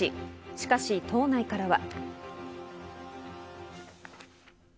しかし党内からは。